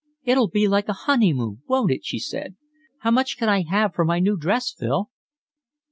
"It'll be like a honeymoon, won't it?" she said. "How much can I have for my new dress, Phil?"